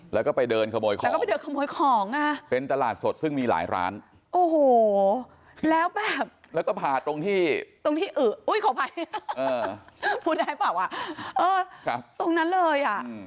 แล้วก็ไปเดินขโมยของเป็นตลาดสดซึ่งมีหลายร้านโอ้โหแล้วแบบแล้วก็ผ่าตรงที่ตรงที่อืออุ้ยขอบภัยพูดได้ป่ะวะตรงนั้นเลยอ่ะ